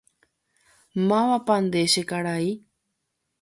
¡Mávapa nde che karai!